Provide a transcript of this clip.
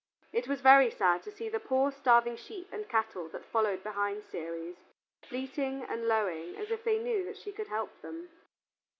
It was very sad to see the poor starving sheep and cattle that followed behind Ceres, bleating and lowing as if they knew that she could help them.